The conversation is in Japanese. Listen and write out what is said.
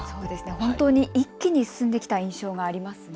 本当に一気に進んできた印象がありますね。